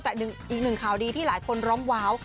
แต่อีกหนึ่งข่าวดีที่หลายคนร้องว้าว